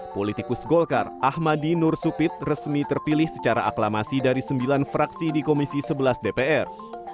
politikus golkar ahmadi nur supit resmi terpilih secara aklamasi dari sembilan fraksi di komisi sebelas dpr